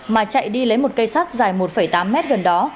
mà chạy đi lấy một cây sát dài một tám m gần đó